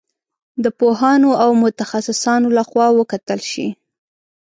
د پوهانو او متخصصانو له خوا وکتل شي.